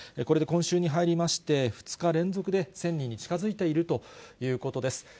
これで今週に入りまして、２日連続で１０００人に近づいているということです。